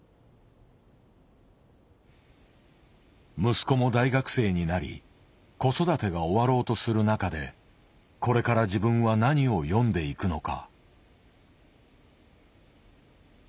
息子も大学生になり子育てが終わろうとする中でこれから自分は何を詠んでいくのか。